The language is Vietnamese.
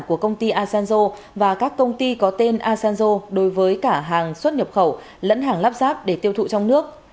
của công ty asanzo và các công ty có tên asanzo đối với cả hàng xuất nhập khẩu lẫn hàng lắp ráp để tiêu thụ trong nước